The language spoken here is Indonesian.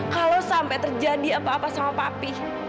kalau sampai terjadi apa apa sama papih